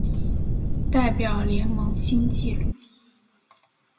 代表联盟新纪录